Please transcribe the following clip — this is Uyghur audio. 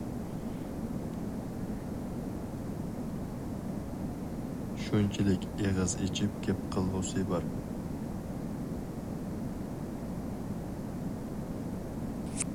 شۇنچىلىك ئېغىز ئېچىپ گەپ قىلغۇسى بار.